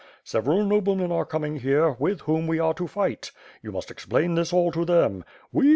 Several noblemen are coming here, with whom we are to fight. You muist explain this all to them. We.